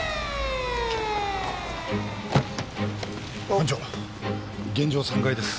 班長現場は３階です。